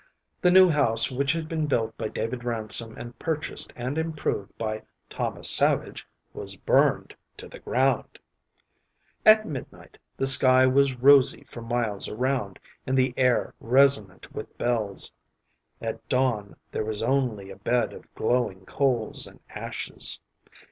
The new house which had been built by David Ransom and purchased and improved by Thomas Savage was burned to the ground. At midnight the sky was rosy for miles around, and the air resonant with bells; at dawn there was only a bed of glowing coals and ashes.